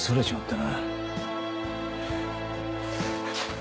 な